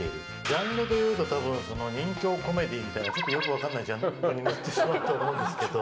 ジャンルでいうとたぶん仁きょうコメディというか、よく分からないジャンルになってしまうとは思うんですけど。